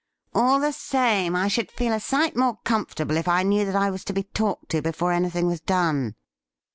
' All the same, I should feel a sight more comfortable if I knew that I was to be talked to before anything was done.'